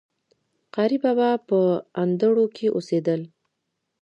قاري بابا په اندړو کي اوسيدل